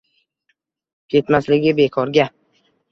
Ketmasligi bekorga